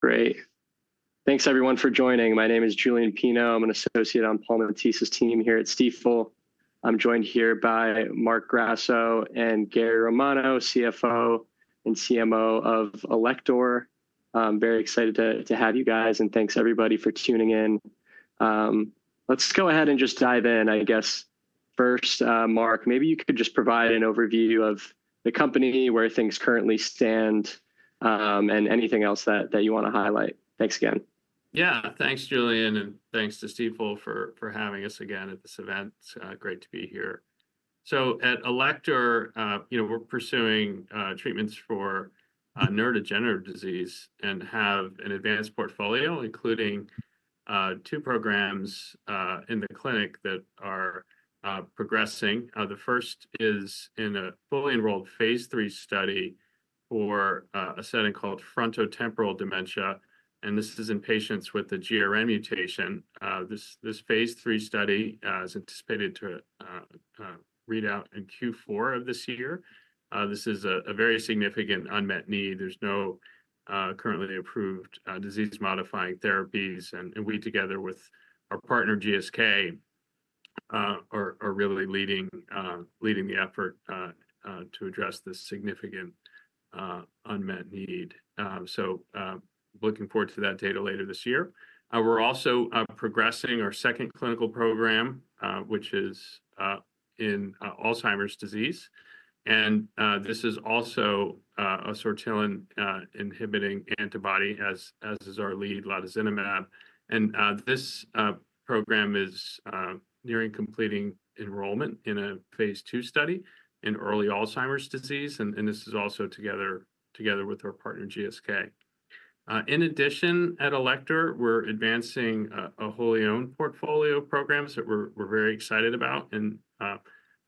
Great. Thanks, everyone, for joining. My name is Julian Pino. I'm an associate on Paul Matteis's team here at Stifel. I'm joined here by Marc Grasso and Gary Romano, CFO and CMO of Alector. Very excited to have you guys, and thanks, everybody, for tuning in. Let's go ahead and just dive in, I guess. First, Marc, maybe you could just provide an overview of the company, where things currently stand, and anything else that you want to highlight. Thanks again. Yeah, thanks, Julian, and thanks to Stifel for having us again at this event. Great to be here. At Alector, we're pursuing treatments for neurodegenerative disease and have an advanced portfolio, including two programs in the clinic that are progressing. The first is in a fully enrolled Phase III study for a setting called frontotemporal dementia. This is in patients with the GRN mutation. This Phase III study is anticipated to read out in Q4 of this year. This is a very significant unmet need. There are no currently approved disease-modifying therapies, and we, together with our partner, GSK, are really leading the effort to address this significant unmet need. Looking forward to that data later this year. We're also progressing our second clinical program, which is in Alzheimer's disease. This is also a sortilin-inhibiting antibody, as is our lead, latozinemab. This program is nearing completing enrollment in a Phase II study in early Alzheimer's disease. This is also together with our partner, GSK. In addition, at Alector, we're advancing a wholly owned portfolio of programs that we're very excited about.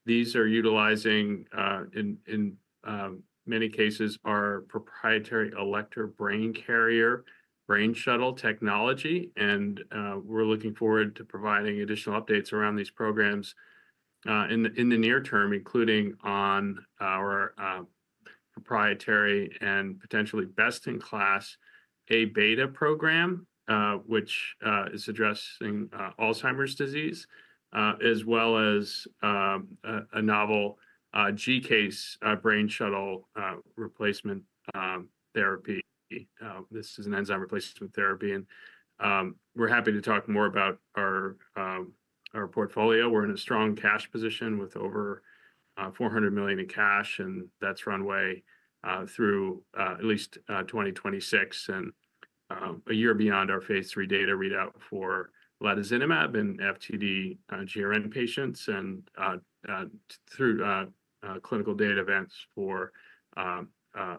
These are utilizing, in many cases, our proprietary Alector Brain Carrier brain shuttle technology. We're looking forward to providing additional updates around these programs in the near term, including on our proprietary and potentially best-in-class A-beta program, which is addressing Alzheimer's disease, as well as a novel GCase brain shuttle replacement therapy. This is an enzyme replacement therapy. We're happy to talk more about our portfolio. We're in a strong cash position with over $400 million in cash, and that's runway through at least 2026 and a year beyond our Phase III data readout for latozinemab in FTD-GRN patients and through clinical data events for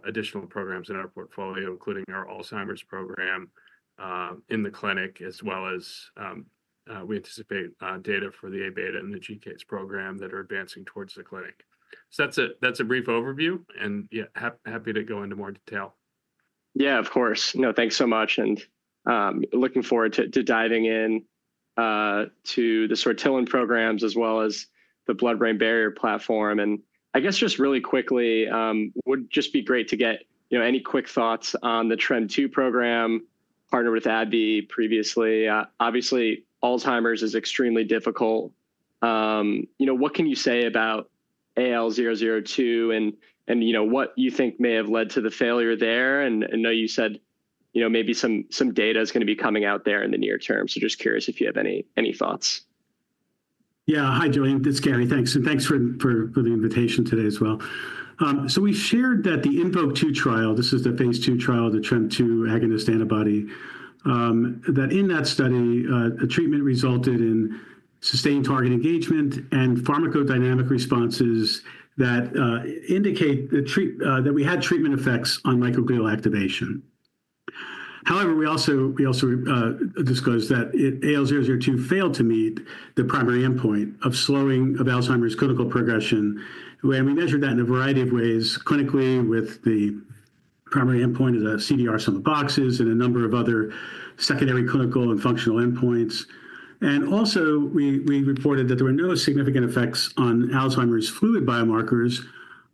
additional programs in our portfolio, including our Alzheimer's program in the clinic, as well as we anticipate data for the Aß and the GCase program that are advancing towards the clinic. That's a brief overview, and happy to go into more detail. Yeah, of course. No, thanks so much. Looking forward to diving into the sortilin programs as well as the blood-brain barrier platform. I guess just really quickly, it would just be great to get any quick thoughts on the TREM2 program partnered with AbbVie previously. Obviously, Alzheimer's is extremely difficult. What can you say about AL002 and what you think may have led to the failure there? I know you said maybe some data is going to be coming out there in the near term, so just curious if you have any thoughts. Yeah. Hi, Julian. It's Gary. Thanks. Thanks for the invitation today as well. We shared that the INVOKE-2 trial, this is the Phase II trial, the TREM2 agonist antibody, that in that study, a treatment resulted in sustained target engagement and pharmacodynamic responses that indicate that we had treatment effects on microglial activation. However, we also disclosed that AL002 failed to meet the primary endpoint of slowing of Alzheimer's clinical progression. We measured that in a variety of ways, clinically, with the primary endpoint of the CDR Sum of Boxes and a number of other secondary clinical and functional endpoints. We also reported that there were no significant effects on Alzheimer's fluid biomarkers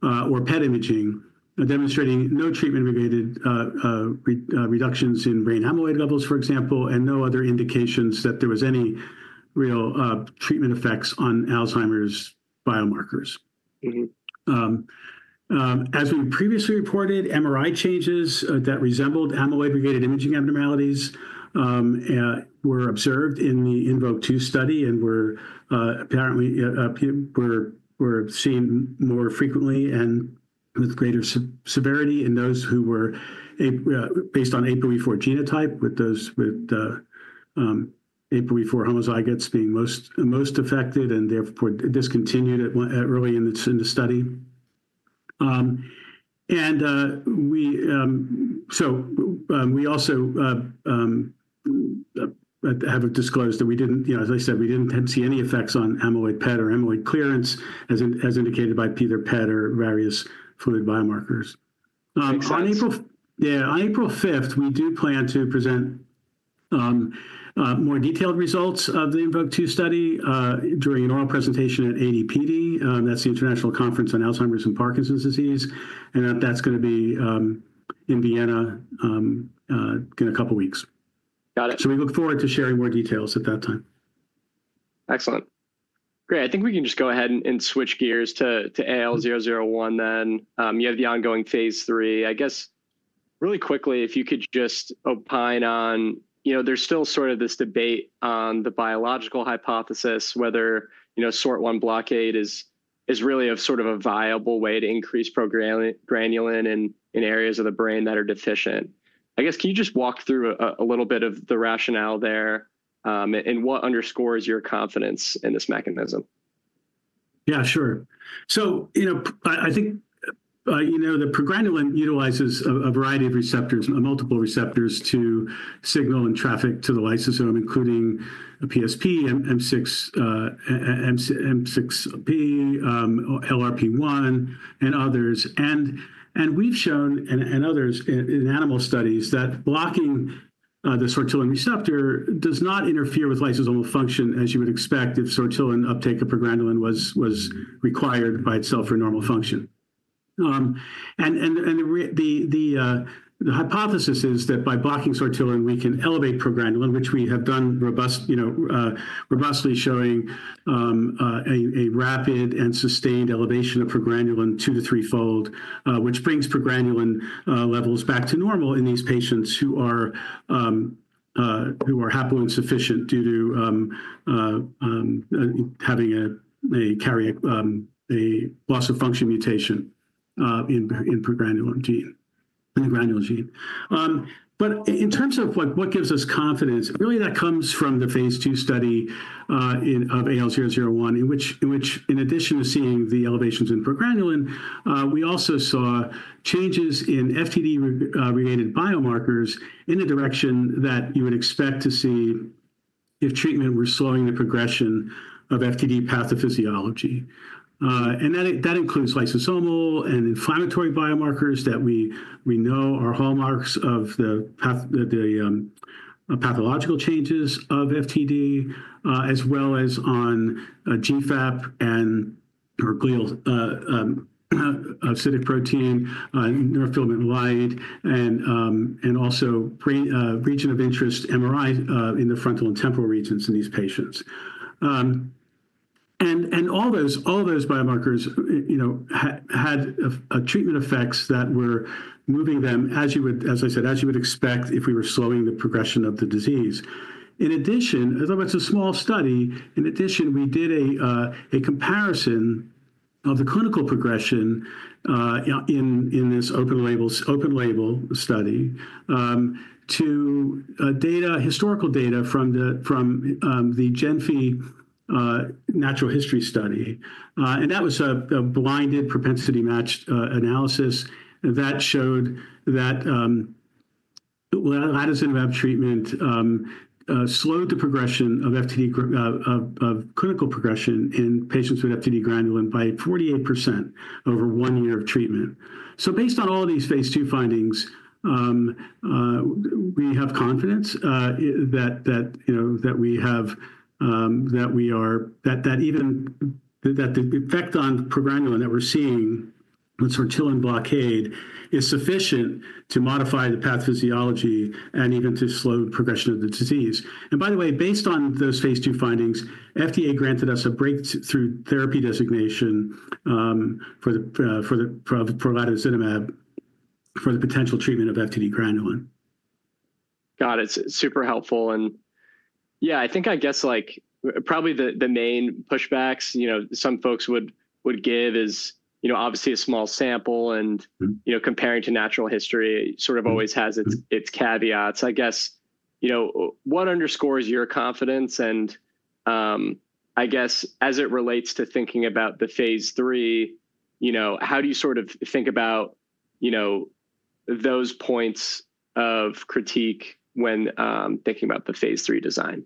or PET imaging, demonstrating no treatment-related reductions in brain amyloid levels, for example, and no other indications that there was any real treatment effects on Alzheimer's biomarkers. As we previously reported, MRI changes that resembled amyloid-related imaging abnormalities were observed in the INVOKE-2 study and were apparently seen more frequently and with greater severity in those who were based on APOE4 genotype, with APOE4 homozygotes being most affected and therefore discontinued early in the study. We also have disclosed that we did not, as I said, we did not see any effects on amyloid PET or amyloid clearance, as indicated by either PET or various fluid biomarkers. Excellent. Yeah. On April 5th, we do plan to present more detailed results of the INVOKE-2 study during an oral presentation at AD/PD. That is the International Conference on Alzheimer's and Parkinson's Disease. That is going to be in Vienna in a couple of weeks. Got it. We look forward to sharing more details at that time. Excellent. Great. I think we can just go ahead and switch gears to AL001 then. You have the ongoing Phase III. I guess, really quickly, if you could just opine on, there's still sort of this debate on the biological hypothesis, whether SORT1 blockade is really sort of a viable way to increase granulin in areas of the brain that are deficient. I guess, can you just walk through a little bit of the rationale there and what underscores your confidence in this mechanism? Yeah, sure. I think the progranulin utilizes a variety of receptors, multiple receptors to signal and traffic to the lysosome, including PSAP, M6P, LRP1, and others. We have shown, and others, in animal studies that blocking the sortilin receptor does not interfere with lysosomal function, as you would expect if sortilin uptake of progranulin was required by itself for normal function. The hypothesis is that by blocking sortilin, we can elevate progranulin, which we have done robustly, showing a rapid and sustained elevation of progranulin two- to three-fold, which brings progranulin levels back to normal in these patients who are haploinsufficient due to having a loss of function mutation in the granulin gene. In terms of what gives us confidence, really, that comes from the Phase II study of AL001, in which, in addition to seeing the elevations in progranulin, we also saw changes in FTD-related biomarkers in the direction that you would expect to see if treatment were slowing the progression of FTD pathophysiology. That includes lysosomal and inflammatory biomarkers that we know are hallmarks of the pathological changes of FTD, as well as on GFAP and acidic protein, neurofilament light, and also region of interest MRI in the frontal and temporal regions in these patients. All those biomarkers had treatment effects that were moving them, as I said, as you would expect if we were slowing the progression of the disease. In addition, although it's a small study, we did a comparison of the clinical progression in this open-label study to historical data from the GENFI natural history study. That was a blinded propensity-matched analysis that showed that latozinemab treatment slowed the progression of clinical progression in patients with FTD granulin by 48% over one year of treatment. Based on all these Phase II findings, we have confidence that the effect on progranulin that we're seeing with sortilin blockade is sufficient to modify the pathophysiology and even to slow the progression of the disease. By the way, based on those Phase II findings, FDA granted us a breakthrough therapy designation for latozinemab for the potential treatment of FTD granulin. Got it. Super helpful. Yeah, I think, I guess, probably the main pushback some folks would give is, obviously, a small sample and comparing to natural history sort of always has its caveats. I guess, what underscores your confidence? I guess, as it relates to thinking about the Phase III, how do you sort of think about those points of critique when thinking about the Phase III design?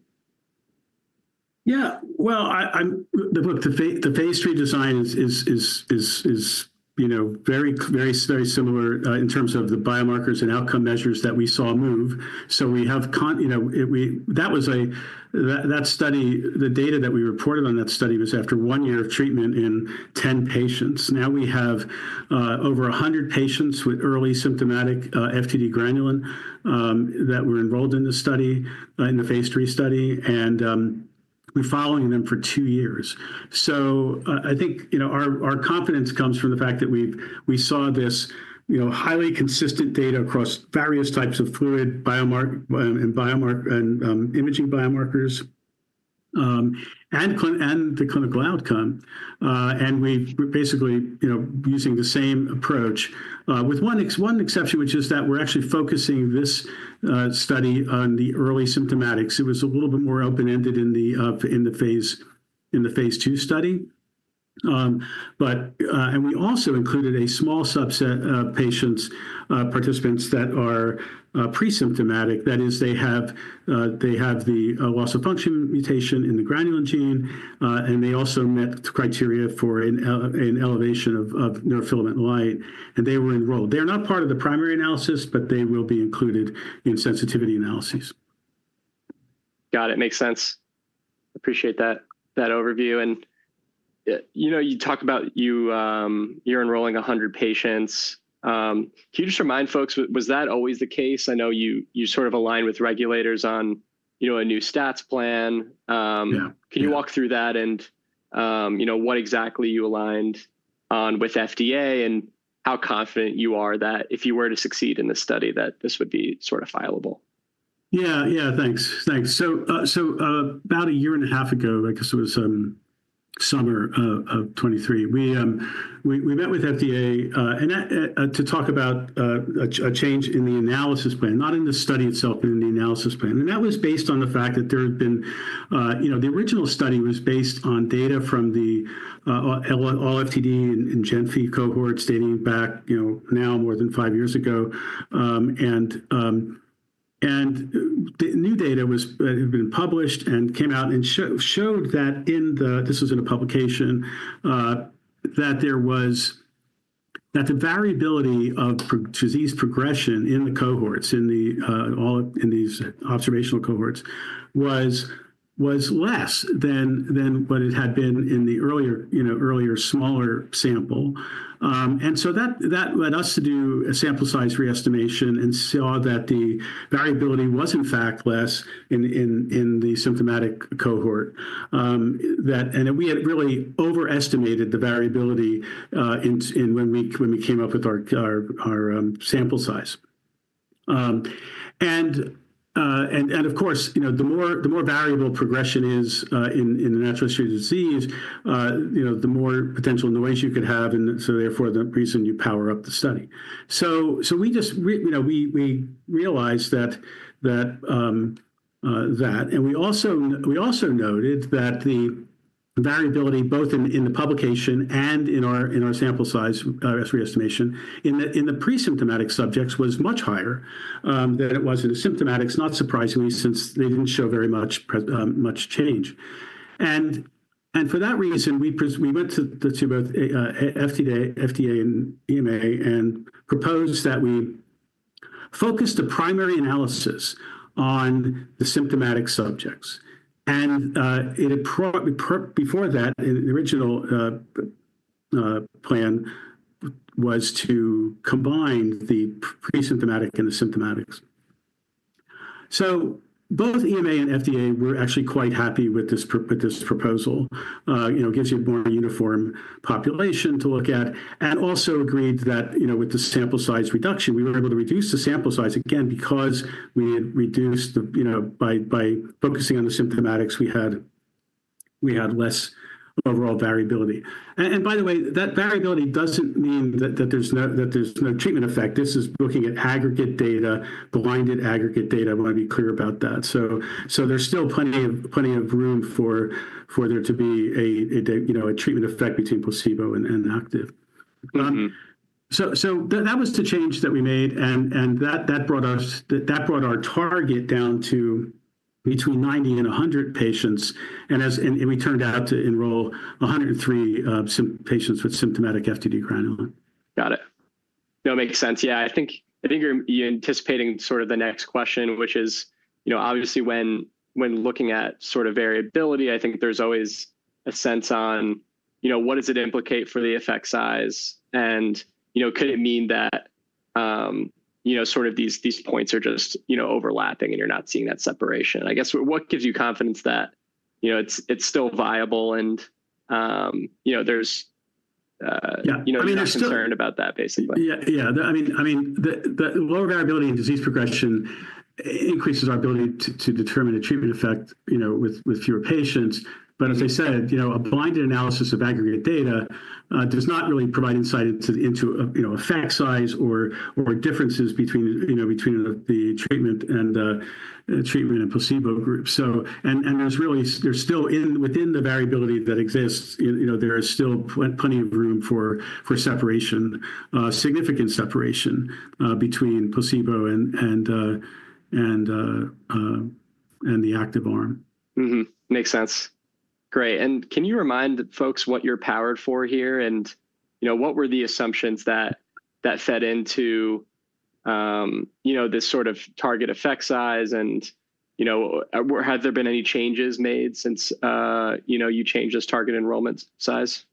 Yeah. The Phase III design is very similar in terms of the biomarkers and outcome measures that we saw move. That study, the data that we reported on that study was after one year of treatment in 10 patients. Now we have over 100 patients with early symptomatic FTD granulin that were enrolled in the study, in the Phase III study. We're following them for two years. I think our confidence comes from the fact that we saw this highly consistent data across various types of fluid and imaging biomarkers and the clinical outcome. We're basically using the same approach, with one exception, which is that we're actually focusing this study on the early symptomatics. It was a little bit more open-ended in the Phase II study. We also included a small subset of patients, participants that are presymptomatic. That is, they have the loss of function mutation in the GRN gene, and they also met criteria for an elevation of neurofilament light. They were enrolled. They're not part of the primary analysis, but they will be included in sensitivity analyses. Got it. Makes sense. Appreciate that overview. You talk about you're enrolling 100 patients. Can you just remind folks, was that always the case? I know you sort of aligned with regulators on a new stats plan. Can you walk through that and what exactly you aligned on with FDA and how confident you are that if you were to succeed in this study, that this would be sort of fillable? Yeah. Yeah, thanks. Thanks. About a year and a half ago, I guess it was summer of 2023, we met with FDA to talk about a change in the analysis plan, not in the study itself, but in the analysis plan. That was based on the fact that the original study was based on data from the ALLFTD and GENFI cohorts dating back now more than five years ago. The new data had been published and came out and showed that in the, this was in a publication, that the variability of disease progression in the cohorts, in these observational cohorts, was less than what it had been in the earlier smaller sample. That led us to do a sample size re-estimation and saw that the variability was, in fact, less in the symptomatic cohort. We had really overestimated the variability when we came up with our sample size. Of course, the more variable progression is in the natural history of disease, the more potential noise you could have. Therefore, the reason you power up the study. We realized that. We also noted that the variability, both in the publication and in our sample size re-estimation in the presymptomatic subjects, was much higher than it was in the symptomatics, not surprisingly, since they did not show very much change. For that reason, we went to both FDA and EMA and proposed that we focus the primary analysis on the symptomatic subjects. Before that, the original plan was to combine the presymptomatic and the symptomatics. Both EMA and FDA were actually quite happy with this proposal. It gives you a more uniform population to look at and also agreed that with the sample size reduction, we were able to reduce the sample size, again, because we had reduced by focusing on the symptomatics, we had less overall variability. By the way, that variability does not mean that there is no treatment effect. This is looking at aggregate data, blinded aggregate data. I want to be clear about that. There is still plenty of room for there to be a treatment effect between placebo and active. That was the change that we made. That brought our target down to between 90 and 100 patients. We turned out to enroll 103 patients with symptomatic FTD granulin. Got it. No, makes sense. Yeah. I think you're anticipating sort of the next question, which is, obviously, when looking at sort of variability, I think there's always a sense on what does it implicate for the effect size? And could it mean that sort of these points are just overlapping and you're not seeing that separation? I guess, what gives you confidence that it's still viable and there's no concern about that, basically? Yeah. Yeah. I mean, the lower variability in disease progression increases our ability to determine a treatment effect with fewer patients. As I said, a blinded analysis of aggregate data does not really provide insight into effect size or differences between the treatment and placebo group. There is still, within the variability that exists, plenty of room for significant separation between placebo and the active arm. Makes sense. Great. Can you remind folks what you're powered for here? What were the assumptions that fed into this sort of target effect size? Have there been any changes made since you changed this target enrollment size?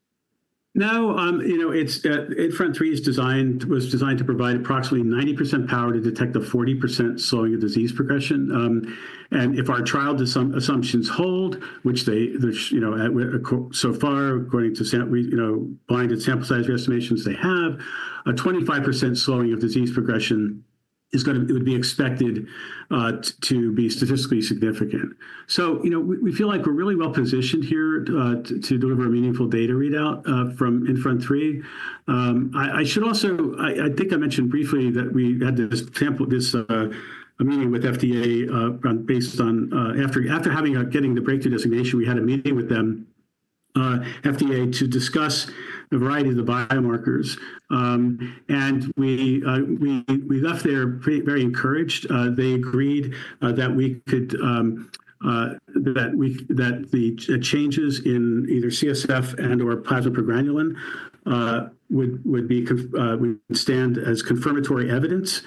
No. INFRONT-3 was designed to provide approximately 90% power to detect the 40% slowing of disease progression. If our trial assumptions hold, which so far, according to blinded sample size re-estimations they have, a 25% slowing of disease progression would be expected to be statistically significant. We feel like we're really well positioned here to deliver a meaningful data readout in INFRONT-3. I think I mentioned briefly that we had this meeting with FDA after having gotten the breakthrough designation. We had a meeting with FDA to discuss a variety of the biomarkers. We left there very encouraged. They agreed that the changes in either CSF and/or plasma progranulin would stand as confirmatory evidence,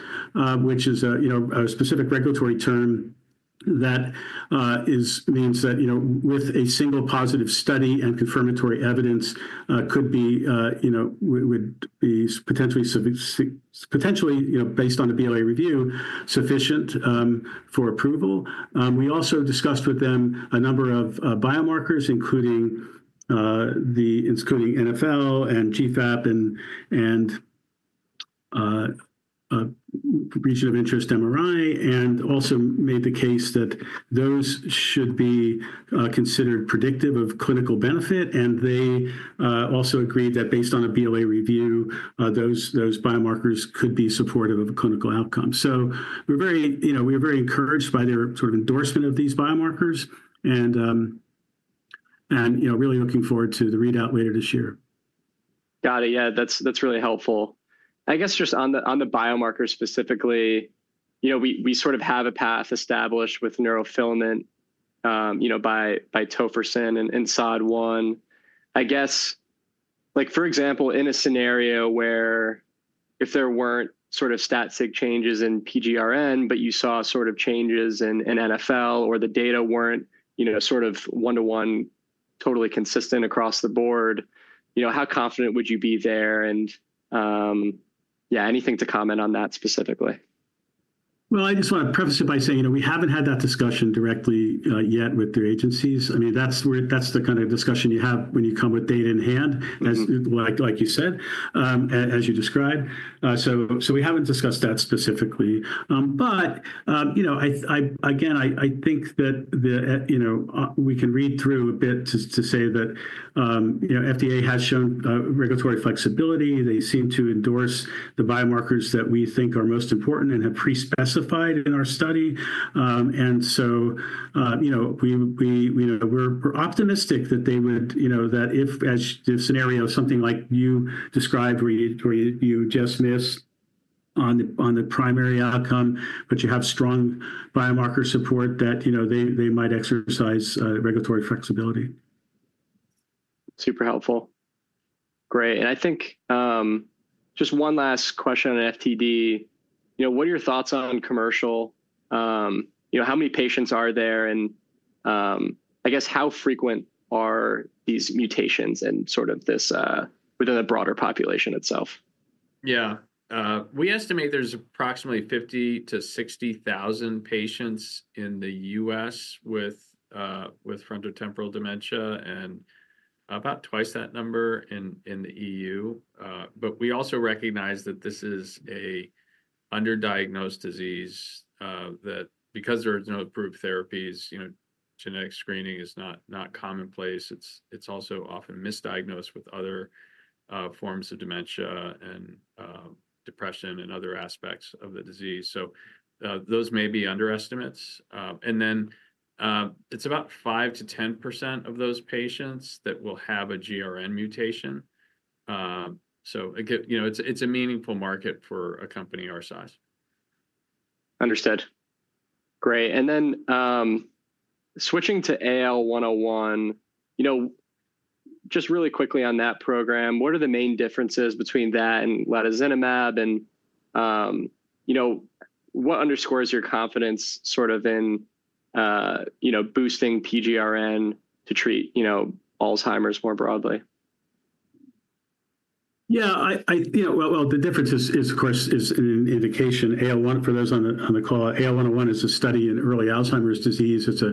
which is a specific regulatory term that means that with a single positive study and confirmatory evidence, it would be potentially, based on the BLA review, sufficient for approval. We also discussed with them a number of biomarkers, including NfL and GFAP and region of interest MRI, and also made the case that those should be considered predictive of clinical benefit. They also agreed that based on a BLA review, those biomarkers could be supportive of a clinical outcome. We were very encouraged by their sort of endorsement of these biomarkers and really looking forward to the readout later this year. Got it. Yeah. That's really helpful. I guess just on the biomarker specifically, we sort of have a path established with neurofilament by tofersen and SOD1. I guess, for example, in a scenario where if there weren't sort of stat-sig changes in PGRN, but you saw sort of changes in NfL or the data weren't sort of one-to-one totally consistent across the board, how confident would you be there? Yeah, anything to comment on that specifically? I just want to preface it by saying we haven't had that discussion directly yet with the agencies. I mean, that's the kind of discussion you have when you come with data in hand, like you said, as you described. We haven't discussed that specifically. Again, I think that we can read through a bit to say that FDA has shown regulatory flexibility. They seem to endorse the biomarkers that we think are most important and have pre-specified in our study. We are optimistic that if, as the scenario, something like you described where you just missed on the primary outcome, but you have strong biomarker support, they might exercise regulatory flexibility. Super helpful. Great. I think just one last question on FTD. What are your thoughts on commercial? How many patients are there? I guess, how frequent are these mutations within the broader population itself? Yeah. We estimate there's approximately 50,000-60,000 patients in the U.S. with frontotemporal dementia and about twice that number in the EU. We also recognize that this is an underdiagnosed disease that, because there are no approved therapies, genetic screening is not commonplace. It's also often misdiagnosed with other forms of dementia and depression and other aspects of the disease. Those may be underestimates. It's about 5%-10% of those patients that will have a GRN mutation. It's a meaningful market for a company our size. Understood. Great. Switching to AL101, just really quickly on that program, what are the main differences between that and latozinemab? What underscores your confidence sort of in boosting PGRN to treat Alzheimer's more broadly? Yeah. The difference is an indication. For those on the call, AL101 is a study in early Alzheimer's disease. It's a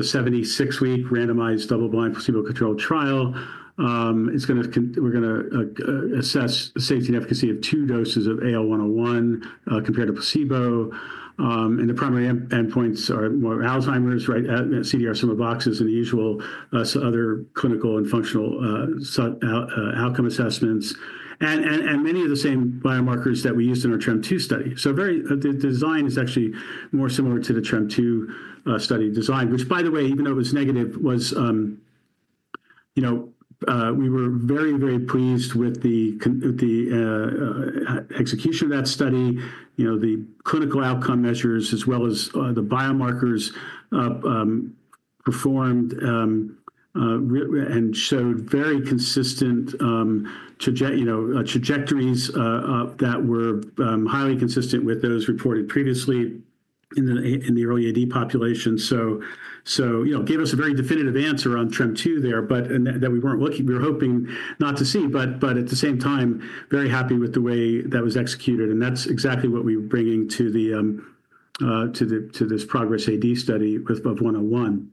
76-week randomized double-blind placebo-controlled trial. We're going to assess the safety and efficacy of two doses of AL101 compared to placebo. The primary endpoints are Alzheimer's, CDR Sum of Boxes, and the usual other clinical and functional outcome assessments, and many of the same biomarkers that we used in our TREM2 study. The design is actually more similar to the TREM2 study design, which, by the way, even though it was negative, we were very, very pleased with the execution of that study, the clinical outcome measures, as well as the biomarkers performed and showed very consistent trajectories that were highly consistent with those reported previously in the early AD population. It gave us a very definitive answer on TREM2 there, but that we were hoping not to see. At the same time, very happy with the way that was executed. That is exactly what we were bringing to this progress AD study with 101.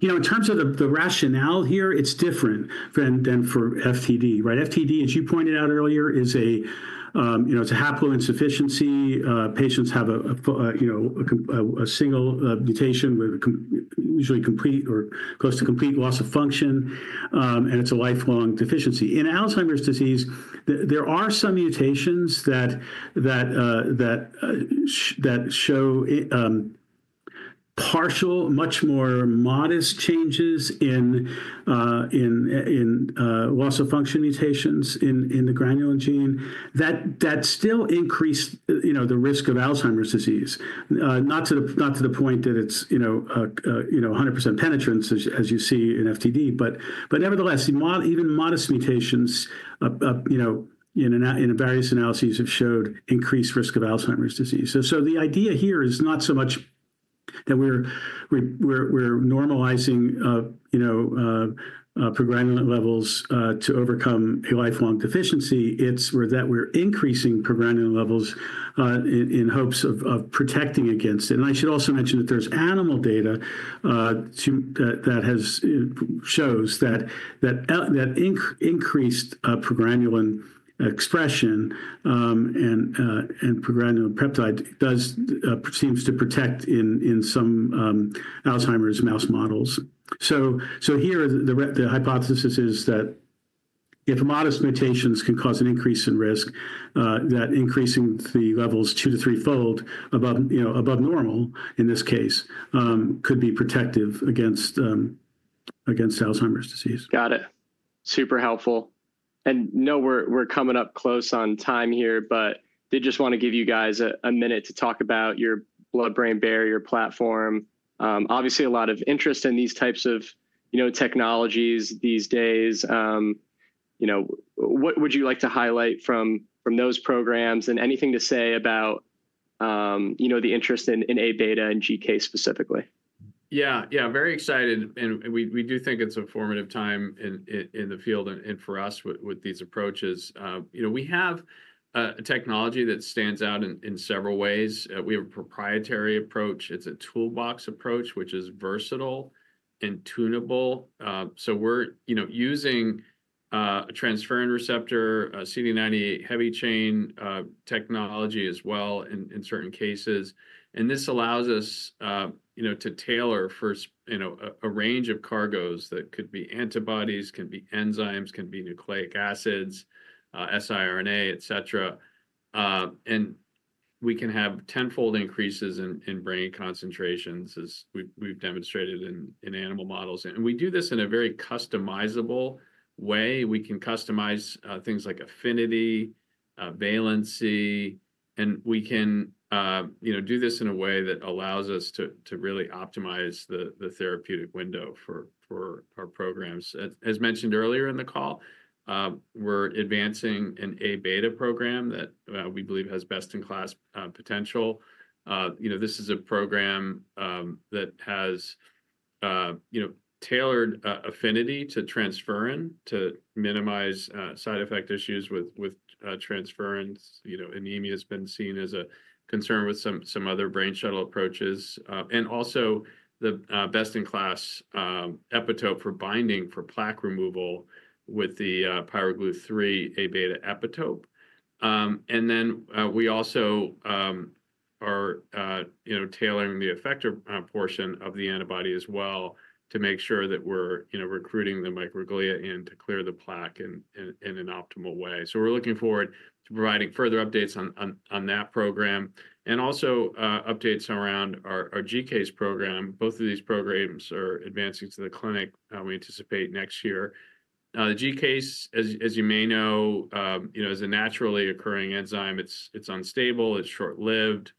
In terms of the rationale here, it is different than for FTD. FTD, as you pointed out earlier, is a haploinsufficiency. Patients have a single mutation with usually complete or close to complete loss of function. It is a lifelong deficiency. In Alzheimer's disease, there are some mutations that show partial, much more modest changes in loss of function mutations in the granulin gene that still increase the risk of Alzheimer's disease, not to the point that it is 100% penetrance, as you see in FTD. Nevertheless, even modest mutations in various analyses have showed increased risk of Alzheimer's disease. The idea here is not so much that we're normalizing progranulin levels to overcome a lifelong deficiency. It's that we're increasing progranulin levels in hopes of protecting against it. I should also mention that there's animal data that shows that increased progranulin expression and progranulin peptide seems to protect in some Alzheimer's mouse models. Here, the hypothesis is that if modest mutations can cause an increase in risk, increasing the levels two- to threefold above normal in this case could be protective against Alzheimer's disease. Got it. Super helpful. No, we're coming up close on time here, but did just want to give you guys a minute to talk about your blood-brain barrier platform. Obviously, a lot of interest in these types of technologies these days. What would you like to highlight from those programs? Anything to say about the interest in Aß and GCase specifically? Yeah. Yeah. Very excited. We do think it's a formative time in the field and for us with these approaches. We have a technology that stands out in several ways. We have a proprietary approach. It's a toolbox approach, which is versatile and tunable. We are using a transferrin receptor, a CD71 heavy chain technology as well in certain cases. This allows us to tailor for a range of cargoes that could be antibodies, can be enzymes, can be nucleic acids, siRNA, et cetera. We can have tenfold increases in brain concentrations, as we've demonstrated in animal models. We do this in a very customizable way. We can customize things like affinity, valency. We can do this in a way that allows us to really optimize the therapeutic window for our programs. As mentioned earlier in the call, we're advancing an Aß program that we believe has best-in-class potential. This is a program that has tailored affinity to transferrin to minimize side effect issues with transferrins. Anemia has been seen as a concern with some other brain shuttle approaches. Also, the best-in-class epitope for binding for plaque removal with the pyroGlu-3 Aß epitope. We also are tailoring the effector portion of the antibody as well to make sure that we're recruiting the microglia in to clear the plaque in an optimal way. We are looking forward to providing further updates on that program and also updates around our GCase program. Both of these programs are advancing to the clinic. We anticipate next year. GCase, as you may know, is a naturally occurring enzyme. It's unstable. It's short-lived.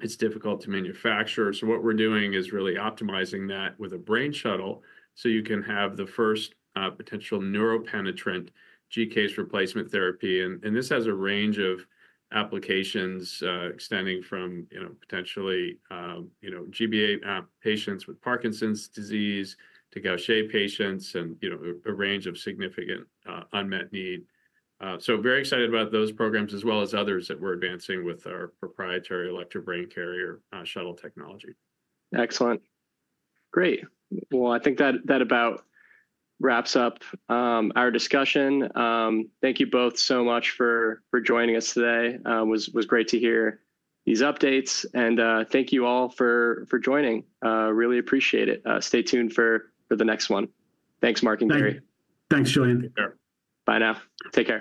It's difficult to manufacture. What we're doing is really optimizing that with a brain shuttle so you can have the first potential neuropenetrant GCase replacement therapy. This has a range of applications extending from potentially GBA patients with Parkinson's disease to Gaucher patients and a range of significant unmet need. Very excited about those programs, as well as others that we're advancing with our proprietary Alector Brain Carrier shuttle technology. Excellent. Great. I think that about wraps up our discussion. Thank you both so much for joining us today. It was great to hear these updates. Thank you all for joining. Really appreciate it. Stay tuned for the next one. Thanks, Marc and Gary. Thanks, Julian. Bye now. Take care.